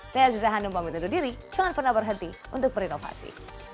saya aziza hanum pamit undur diri jangan pernah berhenti untuk berinovasi